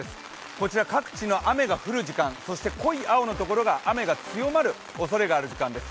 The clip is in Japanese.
こちら、各地の雨が降る時間そして濃い青のところが雨が強まる可能性がある時間帯です。